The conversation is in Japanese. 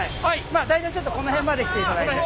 まあ大体ちょっとこの辺まで来ていただいて。